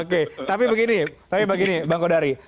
oke tapi begini bang kodari